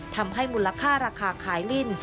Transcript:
ทำให้มูลค่าราคาขายลิ่น